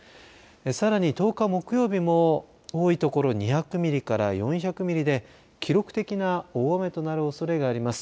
さらに１０日木曜日も多いところ２００ミリから４００ミリで記録的な大雨となるおそれがあります。